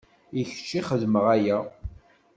I kečč i xedmeɣ aya.